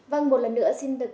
vâng một lần nữa xin được